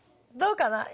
どうかな？